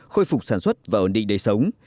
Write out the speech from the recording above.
khôi phục sản xuất và ổn định đầy sống